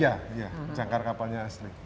iya iya jangkar kapalnya asli